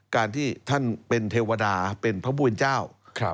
การที่ท่านเป็นเทวดาเป็นพระพุทธเจ้า